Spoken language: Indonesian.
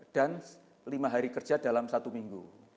dan lima hari kerja dalam satu minggu